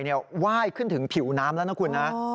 ไหว้ขึ้นถึงผิวน้ำแล้วนะคุณนะ